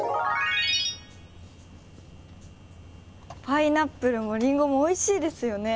パイナップルもりんごもおいしいですよね。